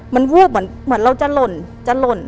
มันวูบเหมือนเราจะหล่น